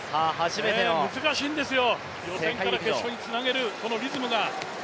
難しいんですよ、予選から決勝につなげる、このリズムが。